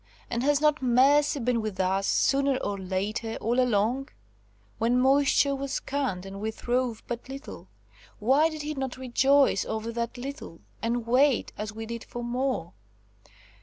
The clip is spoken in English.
And has not mercy been with us, sooner or later, all along? When moisture was scant, and we throve but little, why did he not rejoice over that little, and wait, as we did, for more?